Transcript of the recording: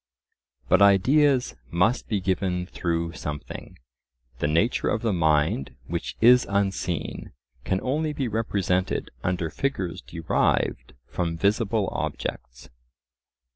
But ideas must be given through something; the nature of the mind which is unseen can only be represented under figures derived from visible objects.